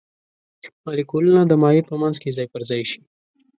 مالیکولونه د مایع په منځ کې ځای پر ځای شي.